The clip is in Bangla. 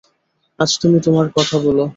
আজ তুমি তোমার কথা বল।